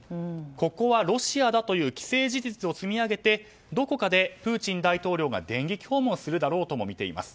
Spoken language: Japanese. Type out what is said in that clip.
ここはロシアだという既成事実を積み上げてどこかでプーチン大統領が電撃訪問するだろうとも見ています。